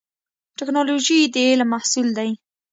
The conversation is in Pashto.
ټکنالوژي د علم محصول دی